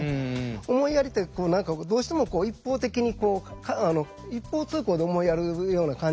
思いやりって何かどうしても一方的に一方通行で思いやるような感じがある。